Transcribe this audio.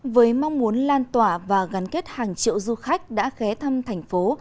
với mong muốn lan tỏa và gắn kết hàng triệu du khách đã ghé thăm thành phố